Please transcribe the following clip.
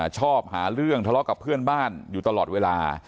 ชอบหาเรื่องทะเลาะกับเพื่อนบ้านอยู่ตลอดเวลา